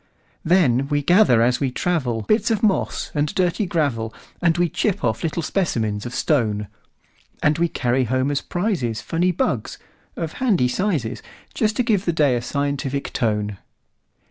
Then we gather as we travel, Bits of moss and dirty gravel, And we chip off little specimens of stone; And we carry home as prizesFunny bugs, of handy sizes, Just to give the day a scientific tone.